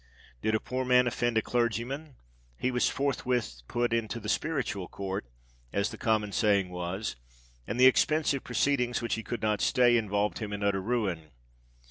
Did a poor man offend a clergyman, he was forthwith put into the Spiritual Court, as the common saying was; and the expensive proceedings, which he could not stay, involved him in utter ruin.